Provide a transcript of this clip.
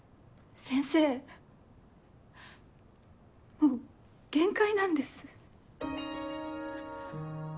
もう限界なんです。